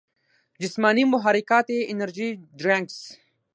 جسماني محرکات ئې انرجي ډرنکس ،